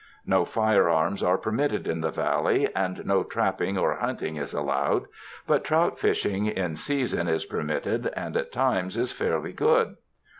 No firearms are permitted in the Valley, and no trapping or hunting is allowed ; but trout fishing in season is permitted, and at times is fairly good.